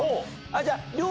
じゃあ。